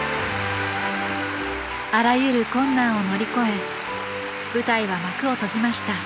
あらゆる困難を乗り越え舞台は幕を閉じました